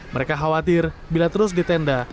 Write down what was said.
mereka khawatir bila terus di tenda